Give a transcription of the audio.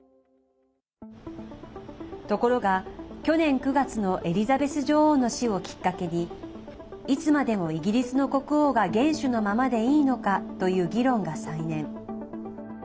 ところが、去年９月のエリザベス女王の死をきっかけにいつまでもイギリスの国王が元首のままでいいのかという議論が再燃。